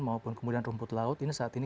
maupun kemudian rumput laut ini saat ini